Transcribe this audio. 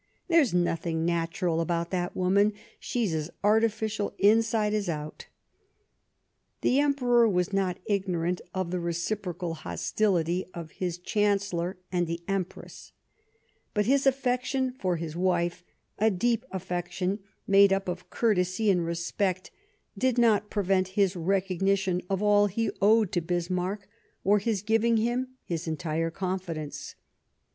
There's nothing natural about that woman ; she's as artificial inside as out." The Emperor was not ignorant of the reciprocal hostility of his Chancellor and the Empress, but his affection for his wife, a deep affection made up of courtesy and respect, did not prevent his recog nition of all he owed to Bismarck or his giving him his entire confidence.